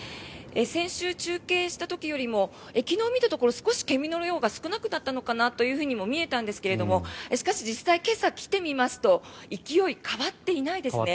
先週、中継した時よりも昨日見たところ少し煙の量が少なくなったのかなとも見えたんですがしかし、実際、今朝来てみますと勢い、変わってないですね。